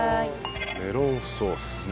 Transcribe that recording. メロンソース。